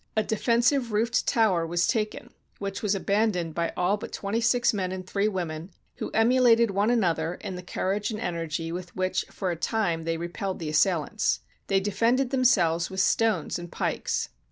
A defensive roofed tower was taken, which was abandoned by all but twen ty six men and three women, who emulated one another in the courage and energy with which for a time they repelled the assailants. They defended themselves with stones and pikes.